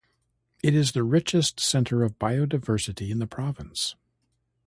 It is the richest center of biodiversity in the province.